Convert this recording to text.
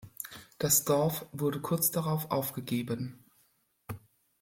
Das Dorf wurde kurz darauf aufgegeben.